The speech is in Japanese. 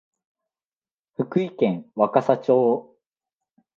福井県若狭町